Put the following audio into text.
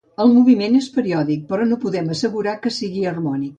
El moviment és periòdic, però no podem assegurar que sigui harmònic.